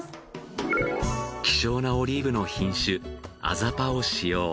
希少なオリーブの品種アザパを使用。